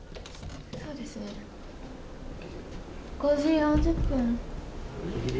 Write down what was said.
５時４０分。